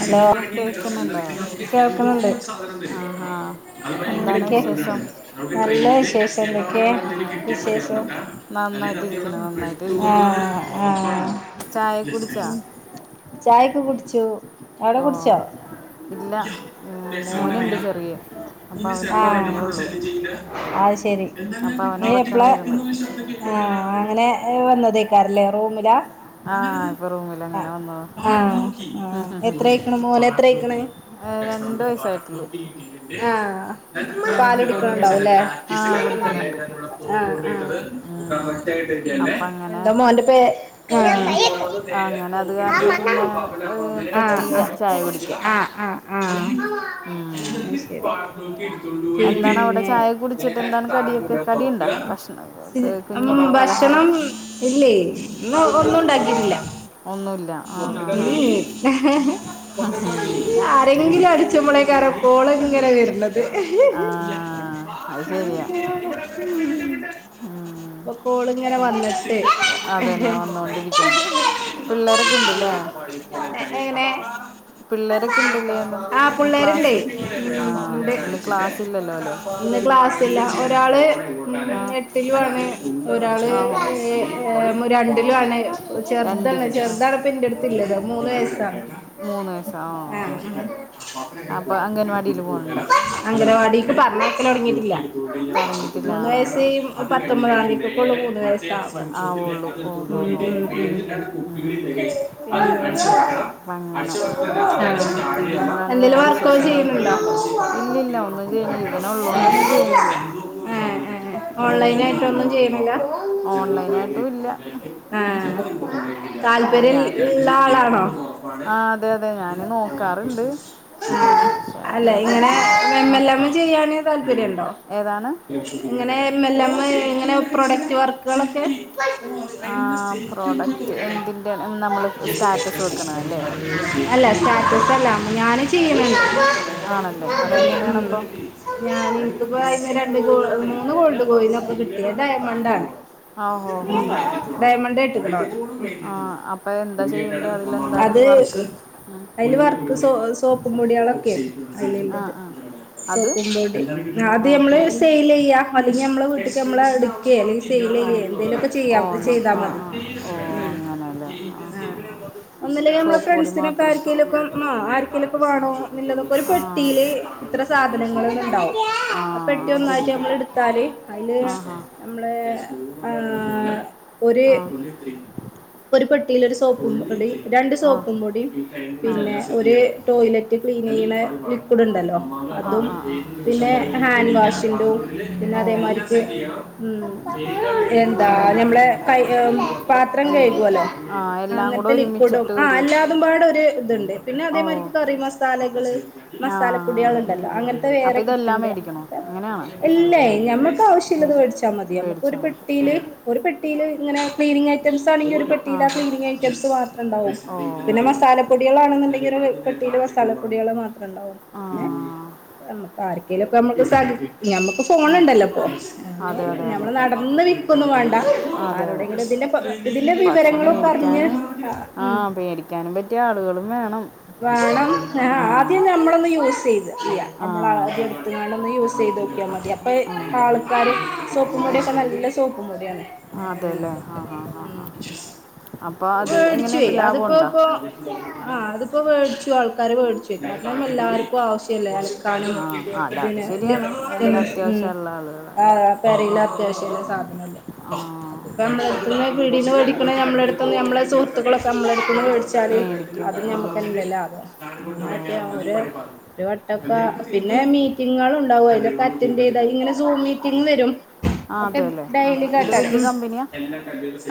Hello കേൾക്കണണ്ട്. ആഹാ എന്താണ് എന്തക്ക വിശേഷം നല്ല വിശേഷ എന്തക്കെ വിശേഷം ഉം, നന്നായിട്ടിരിക്കുന്നു നന്നായിട്ടിരിക്കുന്നു ആഹ് ആഹ്. ചായ കുടിച്ചാ ചായൊക്കെ കുടിച്ചു അവിടെ ഓ കുടിച്ചോ. ഇല്ല ഉം, മോനുണ്ട് ചെറിയ അപ്പോൾ അവനിപ്പോൾ ആഹ് ഉറങ്ങിയുള്ളൂ ആഹ് അത് ശരി അപ്പോൾ അവൻ ഇനി എപ്പള. ഉറക്കണേരുന്നു ആഹ് അങ്ങനെ വന്നതേക്കാറല്ലേ റൂമിലാ. ആ ഇപ്പോൾ റൂമിൽ അങ്ങനെ ആഹ് വന്നത് ആഹ് ഉം, ആഹ്. ഉം, ഉം, ഉം. എത്രയ്ക്ണ മോനെത്രയക്ണ ഏ, രണ്ട് വയസ്സായിട്ടുള്ളൂ ആഹ്. ഉം, കുഞ്ഞിതാ പാലുടിക്ണ്ടാവുംല്ലേ ആ കുടിക്കുന്നുണ്ട് ആഹ് ഉം. എന്താ അപ്പം അങ്ങനെ മോന്റെ പേര് അങ്ങനെ ആഹ് അത് കാരണം പിന്നെ ആഹ് ഏഹ്, ആഹ് പറ്റിയില്ല ചായ കുടിക്കാൻ ആഹ് ആഹ് ഉം. ആഹ് പിന്നെ. എന്താണ് അവിടെ ചായ കുടിച്ചിട്ട് എന്താണ് കടിയൊക്കെ കടിയുണ്ടോ ഭക്ഷണം ക- കുഞ്ഞ് ഉം പലഹാരം ഭക്ഷണം ഇല്ലേ ഇന്ന് ഒന്നും ഉണ്ടാക്കിട്ടില്ല. ഒന്നുമില്ല ആ ഉം ഹാ ഹാ ആരെങ്കിലും അടിച്മ്പളേക്കാര കോള് ഇങ്ങനെ വരണത്. ആ അത് ശരിയാ [unintelligible] ഉം. ഇപ്പൊ കോള്ങ്ങനെ ഉം. വന്ന് ഒ- അതന്നെ വന്നുകൊണ്ടിരിക്കണ് പിള്ളേരൊക്കെ ഉണ്ട് അല്ലേ ന്ന്ട്ട് എങ്ങനെ. പിള്ളേരൊക്കെ ഉണ്ടല്ലേ ഇന്ന് ആഹ് ഇന്ന് ക്ലാസ് പിള്ളേരുണ്ടയ് ആ ഉം ഉണ്ട് ഇന്ന് ക്ലാസ് ഇല്ലല്ലോ അല്ലേ ഇന്ന് ക്ലാസ്ല്ല ഒരാള്. ആ ഒരാള് എട്ടിലുണ് ഒരാള് ആഹോ രണ്ടിലുണ്. ചെറുതാണ് രണ്ടില് ആ ചെറുതണപ്പൊ എന്റെടുത്ത്ള്ളത് മൂന്ന് വയസ്സാണ്. മൂന്ന് വയസ്സാ ഓ ആഹ് ഓ. അപ്പോൾ അംഗൻവാടിയിൽ പോകുന്നുണ്ടോ അംഗനവാടിക്ക് പറഞ്ഞയക്കൽ തുടങ്ങിയിട്ടില്ല തുടങ്ങിയിട്ടില്ല മൂന്ന് വയസ് പത്തൊമ്പതാന്തിക്കള്ളൂ മൂന്ന് വയസാക സാവ ആ ആവുള്ളൂ ഉം ഉം ഓഹോ ഹോ ഉം പിന്നെ വേറെ അങ്ങനെ പിന്നെ എന്താണ് എന്തെങ്കിലും വേറെ വർക്കോ വിശേഷങ്ങൾ ചെയ്യുന്നുണ്ടോ? ഇല്ലല്ല ഒന്നും ചെയ്യുന്നുണ്ടോ ചെയ്യണില്ല. ഇവന് ഉള്ളോണ്ടൊന്നും ചെയ്യണില്ല ഉം ഇങ്ങനായിട്ടന്നും ചെയ്യുന്നില്ല. ഓൺലൈനായിട്ടും ഇല്ല ആഹ് ആ താല്പര്യം ഞാൻ ല്ല ഉള്ള ആളാണോ. ആ അതെ അതെ ഞാൻ നോക്കാറുണ്ട് ആ പക്ഷേ ആഅല്ലെ അങ്ങനെ ഇങ്ങനെ പറ്റുമോ ആ എല്ല ചെയ്യാന് താല്പര്യണ്ടോ. ഏതാണ്. ഇങ്ങനെ എമ്മല്ലമ് ഇങ്ങനെ പ്രൊഡക്റ്റ് വർക്കുകളൊക്കെ. [inaudible] ആ പ്രോഡക്റ്റ് എന്തിൻ്റെ നമ്മൾ സ്റ്റാറ്റസ് വെക്കണതല്ലേ അല്ല സ്റ്റാറ്റസ് അല്ല ഞാന് ചെയ്യനുണ്ട്. ആണല്ലേ ആഹ് ഉം അതെങ്ങനെയാണ് അപ്പോൾ ഞാൻ ഇൻക്ക്പ്പോ അയ്ന്ന് രണ്ട് മൂന്ന് ഗോൾഡ് കോയിനോക്കെ കിട്ടി അത് ഡയമണ്ടാണ് ആ ഹോ ഹോ ഹോ ഡയമണ്ട് കിട്ടിക്ക്‌ണു ആ അപ്പം എന്താ ചെയ്യേണ്ടത് അതിലെന്താണ് അത് വർക്ക് അയ്ല് വർക്ക്‌ സോ സോപ്പ് പൊടികളൊക്കെയെ ആ അതിലുള്ളത് ആ അത് സോപ്പും പൊടി അത് ആ നമ്മള് സെയിൽ ചെയ്യാ അല്ലെങ്കിൽ നമ്മളെ വീട്ട്ക്ക് നമ്മള ക്കെ അല്ലെങ്കിൽ സെയിൽ ഓ ചെയ്യേ എന്തേലൊക്കെ ഓ ചെയ്യാം എന്നാൽ ചെയ്താൽ ആ മതി ഉം ആഹ് ഒന്നല്ലങ്കി നമ്മളെ ഫ്രണ്ട്സിനൊക്കെ ആര്ക്കേലൊക്കെ ആഹ് ആര്ക്കേലൊക്കെ വാണോ ന്നില്ലതൊക്കെ ഒരു ആ പെട്ടിൽ ഇത്ര സാധനങ്ങൾന്ന് ഉണ്ടാവും ആ പെട്ടി ഒന്നായിട്ടമ്മൾ അതെടുക്കണം എടുത്താല് അയ്ല് ആ ഹാ നമ്മള് ഒര് ആ ഒരു പെട്ടിലൊരു സോപ്പുംപൊടി. രണ്ട് ആ സോപ്പും പൊടിയും ആ പിന്നെ ഒരു ടോയ്ലറ്റ് ക്ലീൻ ചെയ്യണ. കൂടുണ്ടല്ലോ ആ അതും ആ ആ പിന്നെ ഹാൻഡ് വാഷിന്റതും. പിന്നെ ഓ അതേമാരിക്ക് ഉം എന്താ അങ്ങനെയൊക്കെ നമ്മളെ അല്ലേ കൈ പാത്രം കൈകുഅല്ലോ ആഹ് എല്ലാം കൂടെ ഒരു കുടും ഒരുമിച്ചിട്ട് ആഹ് അല്ലാതും പാടെ ഒരു ഇതുണ്ട് പിന്നെ ഓ അതേമാതിരി കറി മസാലകള് ആ ആ മസാലപ്പൊടികൾ ഉണ്ടല്ലോ അങ്ങനത്തെ വേറെ അപ്പം ഇതെല്ലാം കിറ്റ്ണ്ട് മേടിക്കണോ അങ്ങനെയാണ് ഇല്ലേ ഞമ്മക്ക് ആവശ്യള്ളത് ഏത് വേടിച്ചാ മതി നമ്മുക്ക് ഒരു മേടിച്ചാൽ മതി ആ പെട്ടിയില് ഒരു പെട്ടിൽ ഇങ്ങനെ ക്ലീനിങ് ഐറ്റംസ് ആണെങ്കി ഒരു പെട്ടിൽ ആ ക്ലീനിങ് ഐറ്റംസ് മാത്രം ഉണ്ടാവും ഓ പിന്നെ മസാ മസാലപ്പൊടികളാണെന്നുണ്ടെങ്കിൽ ഒരു പെട്ടിയിൽ മസാലപ്പൊടികൾ മാ ണ്ടാവും ആ അങ്ങനെ നമ്മ ആർക്കേലൊക്കെ നമ്മക്ക് സാധ നമ്മക്ക് ആ ഫോണുണ്ടല്ലോ ഇപ്പൊ അ അതെ അതെ അതെ ഞമ്മൾ നടന്ന് വിൽക്കൊന്നും വേണ്ട അതെ അതെ ആരോടെങ്കിലും ഇതിന്റെ ഇതിന്റെ വിവരങ്ങളൊക്കെ അറിഞ്ഞ് അ ആഹ് മേടിക്കാനും പറ്റിയ ആളുകളും വേണം വേണം ആഹ് ആ ആദ്യം ഞമ്മളൊന്ന് യൂസ് ചെയ്ത ചെയ്യാ ആ നമ്മളാദ്യം ക്കാണ്ടോന്ന് യൂസ് ചെയ്ത് നോക്കിയാൽ മതി ക്കിയാതി അപ്പൊ ആ ആൾക്കാര് സോപ്പും പൊടിയൊക്കെ നല്ല സോപ്പും പൊടിയാണ് അതെല്ലേ ഹാ ഹാ ഹാ അപ്പോൾ അത് എങ്ങനെയുണ്ട് വേടിച്ചൊയ് അതിപ്പോ ലാഭമുണ്ടോ ഇപ്പോ ആഹ് അതിപ്പോ വെടിച്ചും ആൾക്കാര് വെടിച്ചും കാരണം എല്ലാർക്കും ആവശ്യല്ലേ ആണ് ആ അല്ല അത് പിന്നെ ലി ശരിയാണ് ഉം എല്ലാ ഉം അത്യാവശ്യമുള്ള അതാ ആളുകളെല്ലാവരും പെരേൽ അത്യാവശ്യള്ള സാധനല്ലേ ആ അതിപ്പ നമ്മളെ അടുത്ത്ന്ന് പീടെന്ന് മേടിക്കണ നമ്മളെ അടുത്ത്ന്ന് നമ്മളെ സുഹൃത്തുക്കളൊക്കെ നമ്മളടുത്ത്ന്ന് മേടിച്ച ച്ചാൻ മേടിക്കും അത് ആ നമ്മക്കെന്നെ വെലാവ അങ്ങനൊക്കെ ഓ ഒര് ഒരു വട്ടൊക്കെ പിന്നെ മീറ്റിങ്ങൾ ഉണ്ടാവും അതിലൊക്കെ അറ്റൻഡ് ചെയ്ത ഇങ്ങനെ സൂ മീറ്റിംങ് വരും ആ ഒക്കെ അതെ അല്ലേ ആ ഡെയിലി ഹാ ഇത് കേട്ടാ വലിയ ഉം കമ്പനിയാണ്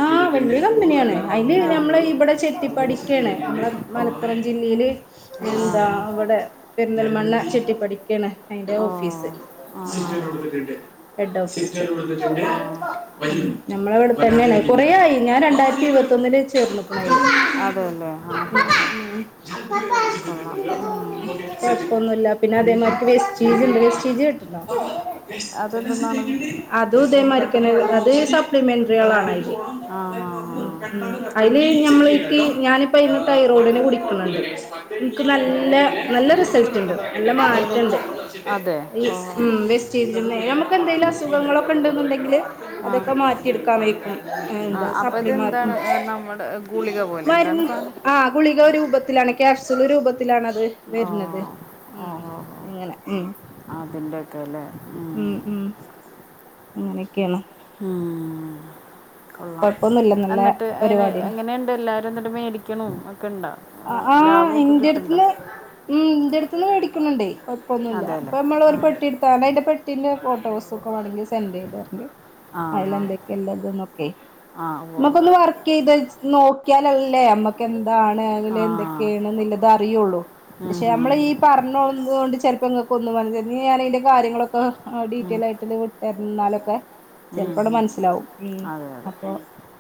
ആഹ് വല്ല്യ കമ്പനിയാണ് അതിന് ആ നമ്മള് ഇവിടെ ചെട്ടിപ്പടിക്കേണ് നമ്മളെ ഓ മല പ്പുറം ജില്ലയില് ആ എന്താ ഹാ ഇവടെ പെരിന്തൽ മണ്ണ ചെട്ടിപ്പടിക്കേണ് അയ്ന്റെ ഓ ഓഫീസ് ആ ഹാ ഹെഡ് ഓഫീസ് ഓ നമ്മളെവിടെ തന്നെയാണ് കൊറെയായി ഞാൻ രണ്ടായിരത്തി ഇരുപത്തി ഒന്നില് ചേർന്ന്ക്ക്‌ണ് അതെ അല്ലേ ആ ഹാ അതിൽ കൊള്ളാം ഉം. [inaudible] കുഴപ്പൊന്നുല്ല പിന്നെ അതേമാര്ക്ക് വെസ്റ്റീച്ണ്ട് വേസ്റ്റീച് കിട്ട്ക്ക്‌ണോ [inaudible] അതെന്തെന്നാണ് അതും ഇതേമാതിരിക്ക് തന്നെ അത് സപ്ലിമെന്ററികളാണതിൽ ആ ഹാ ഹാ അതില് നമ്മൾ ഇൻക്ക്‌ ഞാനിപ്പോ അതിന്ന് തൈറോഡിന്റെ ഗുളി ക്കുന്നുണ്ട് എനിക്ക് നല്ല നല്ല റിസൾട്ട് ഉണ്ട് നല്ല ഏതിൽ മാറ്റണ്ട് അതെ ഈ ഓ ഉം വ്യ ചേഞ്ച്‌ ഉണ്ട് നമുക്ക് എന്തെങ്കിലും അസുഖങ്ങളൊക്കെ ഉണ്ടെന്നുണ്ടെങ്കിൽ ആ അതൊക്കെ മാറ്റി എടുക്കാൻ വെയ്ക്കും ആ എന്താ അപ്പം സപ്പ്ളിമാർക്കും ഇതെന്താണ് ഏ, നമ്മുടെ ഗുളിക പോലെ എന്താണ് മരുന്ന് സാധനം ആ ഗുളിക രൂപത്തിലാണ് ക്യാപ്സ്യൂൾ രൂപത്തിലാണത് ഓ വരുന്നത് ഉം അങ്ങനെ ഉം അതിന്റെകെലേ ഉം അങ്ങനെയൊക്കെയാണ് ഉം കൊള്ളാം കൊഴപ്പൊന്നുല്ല നല്ല എന്നിട്ട് അയിന് പരിപാടിയാണ് എങ്ങനെയുണ്ട്ല്ലാ ന്നിട്ട് മേടിക്കണും ഒക്കെ ഇണ്ടാ അഹ് ആഹ് എന്റെടുത്തില് ഉം ഇന്റെ അടുത്ത് നിന്ന് മേടിക്കുന്നുണ്ടേ കൊഴപ്പൊന്നുല്ല അതെ അല്ലേ ഇപ്പൊ നമ്മൾ ആ ഒരു പെട്ടി എടുത്താ അയിന്റെ പെ ട്ടിന്റെ ഫോട്ടോസൊക്കെ വേണങ്കിൽ സെൻഡ് ചെയ്തേരണ്ട്. ആ ആ അയ്ലെന്തൊക്കെയല്ലതനൊക്കെ ആ ഉവ്വ് ഉവ്വ്. നമ്മുക്കൊന്ന് വർക്കീതച്ച് നോക്കിയാലല്ലേ നമ്മക്ക് എന്താണ് ആ എന്തൊക്കെയാണ്തറിയുള്ളൂ ഉം, പക്ഷെ നമ്മള് ഉം, ഈ പറഞ്ഞോതുകൊണ്ട് ചെലപ്പോ ഇങ്ങക്ക് ഒന്നും മ ഞാനതിന്റെ കാര്യങ്ങളൊക്കെ ഉം. ഡീറ്റെയിൽ ആയിട്ട തരുന്നാലൊക്കെ ഉം, ചെലപ്പോങ്ങട്ട് ഉം. മനസ്സിലാവും ഉം അതെ അതെ അപ്പോ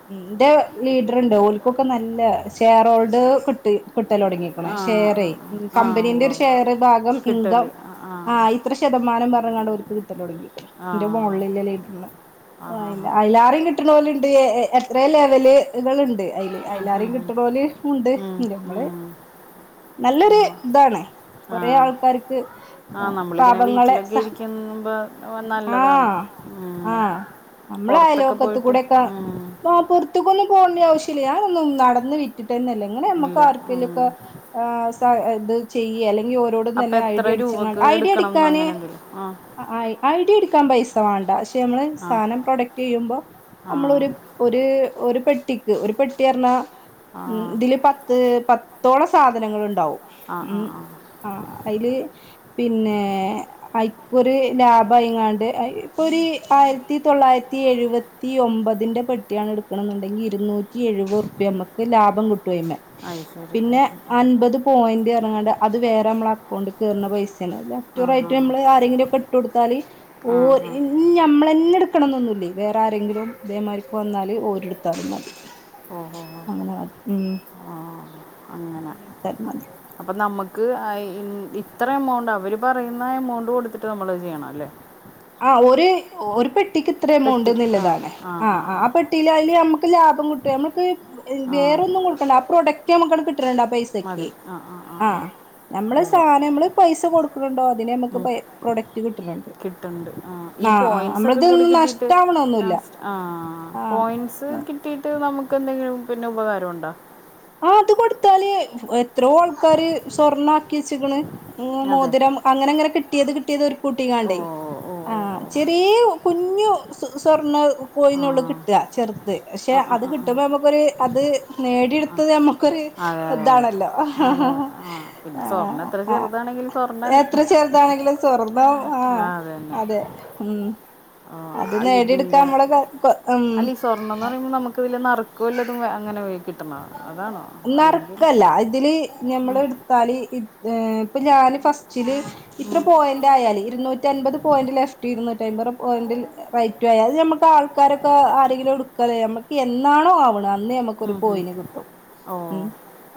ഉം ന്റെ ലീഡർണ്ട് ഓലിക്കൊക്കെ നല്ല ഷെയർ ഹോൾഡ് കിട്ടി. കിട്ടലൊടങ്ങിക്കണ് ആ ഷെയർ ആ ആ കമ്പനീന്റെ ഉവ്വ് ഒരു ഉവ്വ്. ഷെയർ ഭാഗം കിട്ടൽ ഇൻകം ആ ആ ആഹ് ഇത്ര ശതമാനം പറഞ്ഞാണ്ട്ർക്ക് കിട്ടലൊടങ്ങി. ആ എന്റെ മോണിലല്ലന്ന് ആ ആ ആ അഹ് അയ്ലാരെയും കി കിട്ടണോല്ണ്ട് എത്ര ലെവലുകൾ ഉണ്ട് അതിൽ ഏറെയും കിട്ടണോല് ഉണ്ട് അഹ് നമ്മള് ആഹ് നല്ലൊരു ഇതാണ് ആ കൊറെ ആൾക്കാർക്ക് ആ നമ്മളിങ്ങനെ പാപങ്ങളെ വീട്ടിലൊക്കെ സ ഇരിക്കുമ്പോൾ നല്ലതാണ് ആഹ് ഉം. ആഹ് പുറത്തൊക്കെ നമ്മളയലോകത്ത് പോയിട്ട് കൂടെക്കെ ഉം. ആഹ് പൊറത്തക്കൊന്നും പോണ്ട ആവശ്യല്ല ഞാനൊന്നും നടന്ന് വിറ്റിട്ടന്നല്ലേ ഇങ്ങനെ നമ്മക്ക് ഇല്ല ഉം. ആർക്കെലൊക്കെ ആഹ് ഇത് ചെയ്യ അല്ലെങ്കി ഓരോടും അപ്പം തന്നെ എത്ര ഐഡിയ അടിച്ച രൂപക്ക് ഐഡിയ എടുക്കണം എന്ന് അടിക്കാന് അങ്ങനെ എന്തെങ്കിലും ആ ആഹ് ഐ ഡി എടുക്കാൻ പൈസ വേണ്ട പക്ഷെ നമ്മൾ ആ സാധനം പ്രൊഡക്റ്റ് ചെയ്യുമ്പോ ആ നമ്മളൊരു ഒര് ഒരു പെട്ടിക്ക് ഒരു പെട്ടി പറഞ്ഞാ ആ ഇതില് പത്ത് പത്ത് പത്തോളം സാധനങ്ങള്ണ്ടാവും ആ ആ ഉം ആ ആഹ് അയില് പിന്നേ അഐക്കൊരു ലാഭംമായിങ്ങാണ്ട് ഇപ്പൊ ഒരു ആയിരത്തി തൊള്ളായിരത്തി എഴുപത്തി ത്തി ഒമ്പതിൻ്റെ പെട്ടിയാണ് എടുക്കണ എന്നുണ്ടെങ്കിൽ ഇരുന്നൂറ്റി എഴുപത് റുപ്യ നമുക്ക് ലാഭം കിട്ടോയ്മേ ആഹ് പിന്നെ അൻപത് പോയിന്റ് ഇറങ്ങാണ്ട് അത് വേറെ നമ്മള അക്കൗണ്ടിൽ കയറുന്ന പൈസയാണ് ആ ലെഫ്റ്റ് റൈറ്റ് ആ റ്റും നമ്മള് ആരെങ്കിലൊക്കെ ഇട്ട് കൊടുത്താല് ആ ആ ഓഹ് ആ ഇ നമ്മളന്നെ എടുക്കണം എന്നൊന്നുല്ലേ വേറെ ആരെങ്കിലും ദേ മാരിക്ക് വന്നാല് ഓരെടുത്താലും മതി അങ്ങനെ അത് ഉം ആഹ് അങ്ങനെ എടുത്താലും മതി അപ്പൊ നമുക്ക് ഇത്ര എമൗണ്ട് അവര് പറയുന്ന എമൗണ്ട് കൊടുത്തിട്ട് നമ്മൾ ചെയ്യണം അല്ലേ ആഹ് ഒര് ഒരു പെട്ടിക്ക് ഇത്ര എമൗണ്ട് പെട്ടി ആ എന്നുള്ളതാണ് ആ ആ ആഹ് ആ ആഹ് പെട്ടിൽ അതില് നമുക്ക് ലാഭം കിട്ടും നമ്മക്ക് ആ വേറൊന്നും കൊടുക്കണ്ട ആഹ് പ്രൊഡക്റ്റ് നമുക്കങ്ങട്ട് കിട്ടേണ്ട് ആഹ് പൈസ തക്കി മതി ആ ആ ആ ആ ആഹ് നമ്മള ഉവ്വ സാന നമ്മള് പൈസ കൊടുക്കുണുണ്ടോ അതിനെ നമുക്ക് പെയ് പ്രൊഡക്ട് കിട്ട്ണ് ണ്ട്. ണ്ട് ആഹ് ഈ പോയിന്റ്സ് ഒക്കെ കൂടി കിട്ടീട്ട് നഷ്ടാവണൊന്നുല്ല ലാസ്റ്റ് ആഹ് ആഹ് പോയിന്റ്സ് കിട്ടിയിട്ട് നമുക്ക് എന്തെങ്കിലും പിന്നെ ഉപകാരം ഉണ്ടോ? ആഹ് അത് കൊടുത്താല് എത്രയോ ആൾക്കാര് സ്വർണാക്കി വെച്ച്ക്ക്ണ് അതെ മോതിരം അങ്ങനെങ്ങനെ കിട്ടിയത് കിട്ടിയത് ഒരു ഓ കൂട്ടിങ്ങാണ്ടേ. ഓ ഓ ആഹ് ഓ ചെറിയേ കുഞ്ഞു സ്വ സ്വർണ്ണ ആ കോയിനൊള്ളു കിട്ട ചെർത്. പക്ഷെ ആ ആ അത് ആ ആ. കിട്ടുമ്പോ നമ്മുക്കൊരു അത് നേടി ത്തത് നമ്മക്കൊരു അതെ അതെ അതെ ഇതാണല്ലോ അതെ ആ പിന്നെ സ്വർണ്ണം എത്ര ആഹ് ചെറുതാണെങ്കിലും സ്വർണ്ണമല്ലേ എത്ര ചെറുതാണെങ്കിലും സ്വർണം ആഹ് ആ അത് തന്നെ അതെ ഉം ആ, അത് ആ നേടിട്ക്കാ അമ്മള് ക കൊ ഉം സ്വർണന്നറയുമ്പോ നമ്മക്ക് ഇതില് നറ്ക്കുവല്ലതും അങ്ങനെ വേ നർക്കല്ല ഇതില് ഞമ്മള് ഉം, ഇട്ത്താല് ത് ഏഹ് ഇപ്പൊ ഞാന് ഫസ്‌റ്റില് ഇത്ര ഉം, പോയിന്റ് ആയാല് ഇരുന്നൂറ്റ ന്നൂറ്റമ്പത് പോയന്റ് ലെഫ്റ്റ് ഇരുന്നൂറ്റയിമ്പറ് പോയൻ്റ് റൈറ്റു ആയ അത് നമ്മക്ക് ആൾക്കാരൊക്കെ ആരെങ്കിലും എടുക്കലെ നമ്മക്ക് എന്നാണോ ആവണെ അ ഇന്ന് നമ്മക്കൊരു ഉം, ഉം. പോയിന് കിട്ടും. ഓ ഉം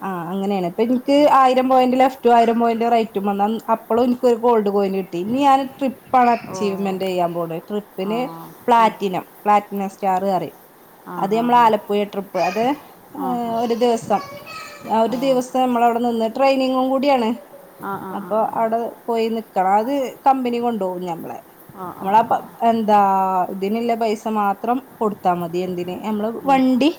ആഹ് അങ്ങനെയാണ് ഇപ്പൻക്ക് ആയിരം പോയിന്റ് ലെഫ്റ്റും ആയിരം പോയിന്റ് റൈറ്റും വന്നാ അപ് ഇപ്പളും ഇൻക്കൊരു ഗോൾഡ് കോയിന് കിട്ടി ഇനി ഞാന് ട്രിപ്പാണ് ഓ അച്ചീവ്മെന്റ്യ്യാൻ പോണ് ആ ട്രിപ്പിന് ആ പ്ലാറ്റിനം പ്ലാറ്റിനസ്റ്റാറ് അറിം. അത് നമ്മള് ആലപ്പുഴ ട്രിപ്പ് അത് ആഹ് ആഹ് ഒരു ദിവസം ആഹ് ഒരു ദിവസം നമ്മളവിടെ നിന്ന് ട്രെയിനിങ്ങും കൂടിയാണ് ആ ആ ആ ആ അപ്പൊ ആ അവിടെ പോയി നിക്കണം അത് കമ്പനി കൊണ്ടോവും ഞമ്മളെ ആ നമ്മളെ പ എന്താ ഇതിനില്ല പൈസ മാത്രം കൊടുത്താമതി എന്തിന് നമ്മള് വണ്ടി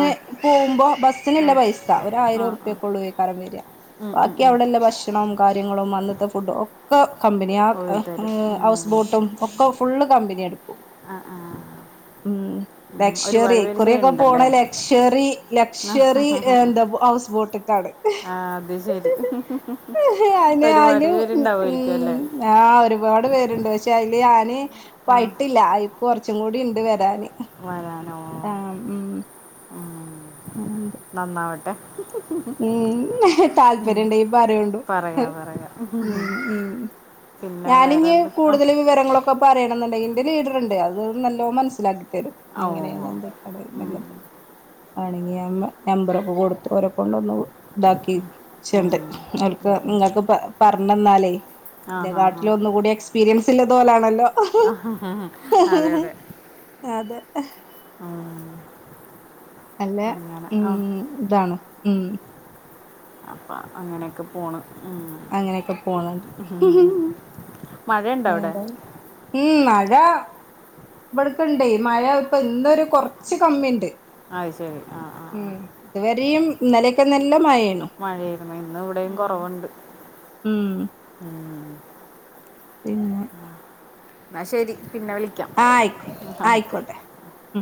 ആ ആ പോവുമ്പോ ബസ്സിനല്ല പൈസ ഒരായിര ആ ഉർപ്യക്കെള്ളേയ്കാരം വര. ഉം, ഉം, ബാക്കി ഉം. അവിടെല്ല ഭക്ഷ ക്ഷണം കാര്യങ്ങളും അന്നത്തെ ഫുഡും ഒക്കെ കമ്പനി ഓ തരും ആഹ് ഹൗസ് ഉം. ബോട്ടും ഒക്കെ ഫുള്ള് കമ്പനി എടുക്കു. ആ, ഉം ഉം. ലക്ഷ്വറി ഒരുപാട് പേര് ഇക്കുറിയൊക്കെ പോണ ചെയ്യുന്നുണ്ടല്ലേ ലക്ഷ്വ ഷറി ലക്ഷ്വറി എന്ത ഹൗസ് ബോട്ട്ക്കാണ് ആ അത് ശരി അയിന് ഒരുപാട് അയിന് പേരുണ്ടാവുമായിരിക്കും അല്ലേ ഉം ആഹ് ഒരുപാട് പേരുണ്ട് പശെ അയില് ഞാന് ആ ഇപ്പായിട്ടില്ല കൊർച്ചും കൂടി ഇണ്ട് വെരാന് വരാനോ ആഹ് ഉം ഉം. [unintelligible] നന്നാവട്ടെ ഉം താല്പര്യണ്ടെങ്കി പറയുണ്ടു. പറയാം പറയാം ഉം ഉം പിന്നെ വേറെ ഞാനിഞ്ഞ് എന്താ ആ കൂടുതല് വിവരങ്ങളൊ ഇപ്പൊ പറയണെന്നുണ്ടെങ്കിൽ ഇന്റെ ലീഡറ്ണ്ട്. അത് നല്ലോ മനസ്സിലാക്കിത്തരും. ഓ എങ്ങനെയാണ് ഓ. എന്തൊക്കെയ ഉം. നല്ലത് ആണെങ്കി നമ്പറൊക്കെ കൊടുത്തു ഓരോ കൊണ്ടൊന്ന് ഇതാക്കിച്ചുണ്ട് ഉം. ഇങ്ങൾക്ക്‌ ഇങ്ങക്ക് പ പറഞ്ഞന്നാലേയ് ആ ഹാ ഹാ ലക്കാട്ടിലൊന്നു കൂടി എക്സ്പീരിയൻസ് ഇല്ലത് ഓലാണല്ലോ അതെ അതെ അതെ ആഹ് നല്ല ഉം ഇതാണ് ഉം അപ്പ അങ്ങനൊക്കെ പോണ് ഉം. അങ്ങനെയൊക്കെ പോണ് മഴയുണ്ടോ അവിടെ ഉം മഴാ ഇവിടക്കണ്ടേ മഴ ഇപ്പ ഇന്നൊരു കൊറച്ച് കമ്മിണ്ട് ആയ് ശരി ആഹ് ആഹ് ഉം ഇതുവരെയും ഇന്നലൊക്കെ നല്ല മയേനു മഴേരുന്നു ഇന്ന് ഇവിടെയും കൊറവുണ്ട് ഉം പിന്നെ ന്നാ ശരി പിന്നെ വിളിക്കാ ആഹ് ആയിക്കോ ആയിക്കോട്ടെ ഉം